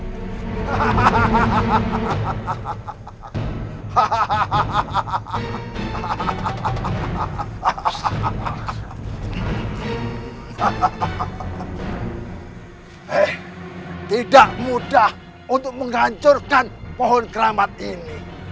hahaha tidak mudah untuk menghancurkan pohon keramat ini